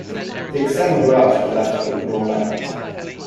The external garage was left open all night.